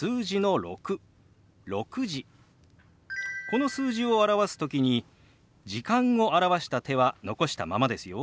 この数字を表す時に「時間」を表した手は残したままですよ。